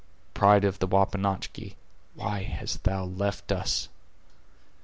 Pride of the Wapanachki, why hast thou left us?"